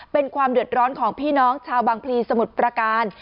เป็นความเดือดร้อนของพี่น้องชาวบางพลีสมุทรประการ